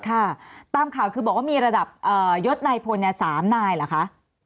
ค่ะตามข่าวคือบอกว่ามีระดับยศนายพล๓นายเหรอคะ